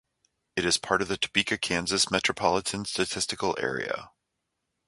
It is part of the Topeka, Kansas Metropolitan Statistical Area.